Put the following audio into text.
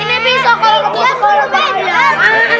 ini pisau kalau kebuka kalau kebuka